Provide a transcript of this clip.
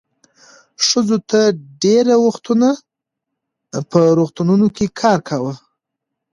ښځو تر ډېره وخته په روغتونونو کې کار کاوه.